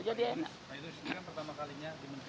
pak idrus ini kan pertama kalinya